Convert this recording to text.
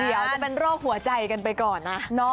เดี๋ยวจะเป็นโรคหัวใจกันไปก่อนนะ